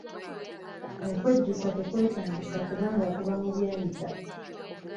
Okwejjusa tekwetaagisa kubanga kuba mu byayita.